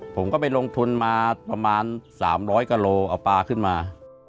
ผมก็ไปลงทุนมาประมาณสามร้อยกว่าโลกรัมเอาปลาขึ้นมา